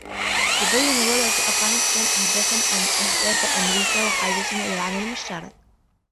يبين الوضع في أفغانستان أهداف أمريكا وحاجتنا إلى العمل المشترك.